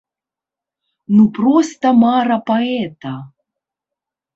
Ну, проста мара паэта!